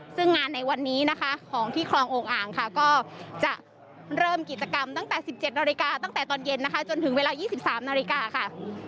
ซึ่งงานในวันนี้นะคะของที่คลองโอ่งอ่างค่ะก็จะเริ่มกิจกรรมตั้งแต่๑๗นาฬิกาตั้งแต่ตอนเย็นนะคะจนถึงเวลา๒๓นาฬิกาค่ะ